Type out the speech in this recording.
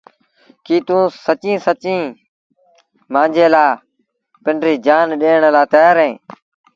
ڪيٚ توٚنٚ سچيٚݩ پچيٚݩ مآݩجي لآ پنڊريٚ جآن ڏيڻ لآ تيآر اهينٚ؟